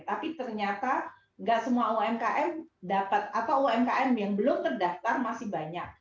tapi ternyata nggak semua umkm dapat atau umkm yang belum terdaftar masih banyak